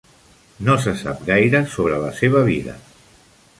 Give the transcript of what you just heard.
No se sap gaire sobre la seva vida.